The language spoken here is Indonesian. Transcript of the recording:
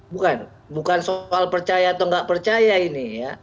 bukan bukan soal percaya atau nggak percaya ini ya